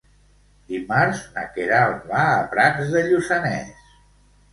Dimarts na Queralt va a Prats de Lluçanès.